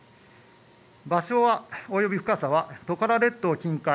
場所は、および深さはトカラ列島近海。